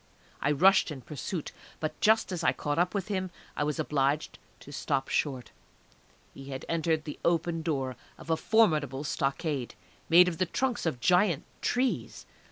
I rushed in pursuit, but just as I caught up with him I was obliged to stop short. He had entered the open door of a formidable stockade, made of the trunks of giant trees.